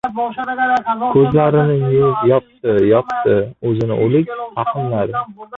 Ko‘zlarini yumib yotdi-yotdi, o‘zini... o‘lik fahmladi!